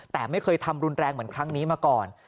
แต่ไม่เคยทำรุนแรงเหมือนครั้งนี้มาก่อน